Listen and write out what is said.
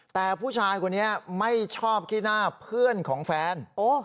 แต่ผู้ชายคนนี้ไม่ชอบขี้หน้าเพื่อนของแฟน